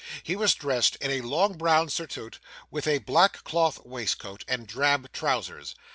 He was dressed in a long brown surtout, with a black cloth waistcoat, and drab trousers.